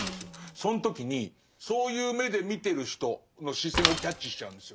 その時にそういう目で見てる人の視線をキャッチしちゃうんですよ。